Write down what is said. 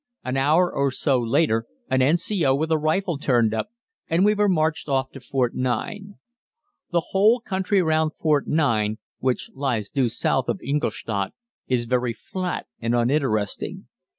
An hour or so later an N.C.O. with a rifle turned up, and we were marched off to Fort 9. The whole country round Fort 9, which lies due south of Ingolstadt, is very flat and uninteresting.